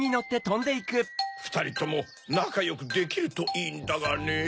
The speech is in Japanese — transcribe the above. ふたりともなかよくできるといいんだがねぇ。